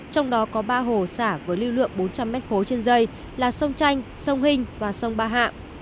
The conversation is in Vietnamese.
trong đó có ba hồ xả với lưu lượng bốn trăm linh m khối trên dây là sông tranh sông hình và sông ba hạm